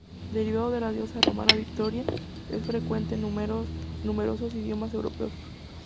Derivado de la diosa romana Victoria, es frecuente en numerosos idiomas europeos.